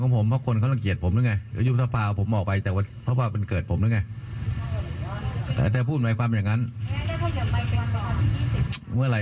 นักข่าวถ้าจะแยกย้ายนะคะ